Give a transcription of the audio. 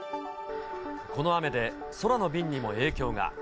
この雨で空の便にも影響が。